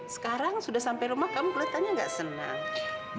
sekarang sudah sampai rumah kamu kelihatannya gak seneng